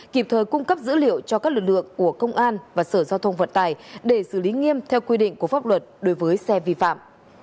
kịp thời cung cấp dữ liệu cho các lực lượng của công an và sở giao thông vận tải để xử lý nghiêm theo quy định của pháp luật đối với xe vi phạm